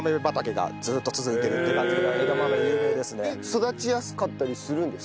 育ちやすかったりするんですか？